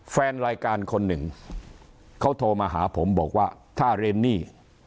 แฟนรายการคนหนึ่งเขาโทรมาหาผมบอกว่าถ้าเรนนี่